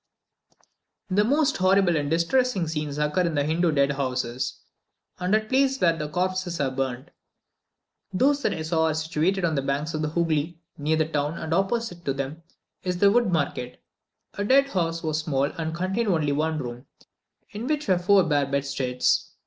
The most horrible and distressing scenes occur in the Hindoo dead houses, and at the places where the corpses are burnt. Those that I saw are situated on the banks of the Hoogly, near the town, and opposite to them is the wood market. The dead house was small, and contained only one room, in which were four bare bedsteads.